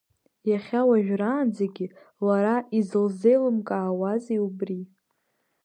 Иахьа уажәраанӡагьы лара изылзеилымкаауази убри?